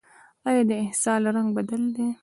ایا د اسهال رنګ بدل دی؟